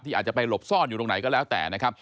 อาจจะไปหลบซ่อนอยู่ตรงไหนก็แล้วแต่นะครับ